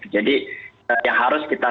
jadi yang harus kita